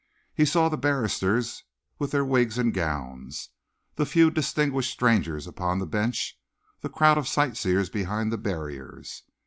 He saw the barristers, with their wigs and gowns, the few distinguished strangers upon the bench, the crowd of sightseers behind the barriers.